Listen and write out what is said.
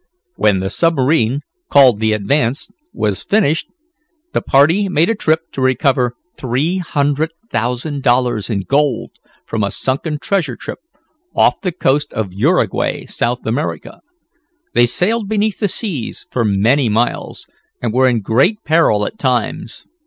When the submarine, called the Advance, was finished, the party made a trip to recover three hundred thousand dollars in gold from a sunken treasure ship, off the coast of Uruguay, South America. They sailed beneath the seas for many miles, and were in great peril at times.